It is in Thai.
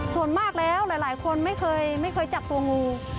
ส่วนมากแล้วหลายคนไม่เคยจับตัวงู